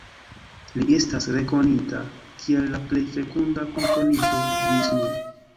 Li estas rekonita kiel la plej fekunda komponisto ĝis nun.